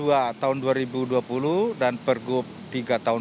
tahun dua ribu dua puluh dan pergub tiga tahun dua ribu dua puluh